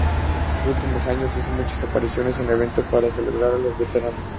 En sus últimos años hizo muchas apariciones en eventos para celebrar a los veteranos.